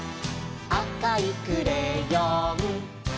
「あかいクレヨン」